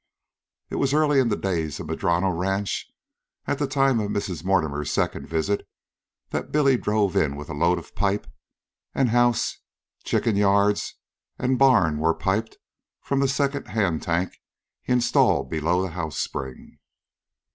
It was early in the days of Madrono Ranch, at the time of Mrs. Mortimer's second visit, that Billy drove in with a load of pipe; and house, chicken yards, and barn were piped from the second hand tank he installed below the house spring.